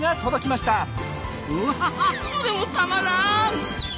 うわどれもたまらん！